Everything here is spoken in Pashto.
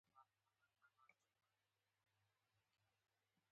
اتلمسې پېړۍ کې پولنډي یهودان په دې شامل وو.